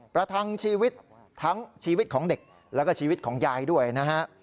ประทังชีวิตทั้งชีวิตของเด็กแล้วก็ชีวิตของยายด้วยนะฮะ